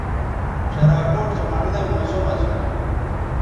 شراکوٹ سو مڑنئ موسم اسُو